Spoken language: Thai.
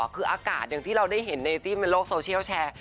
คืออากาศอย่างที่เราได้เห็นในที่ในโลกโซเชียลแชร์